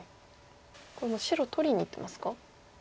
これ白取りにいってますか？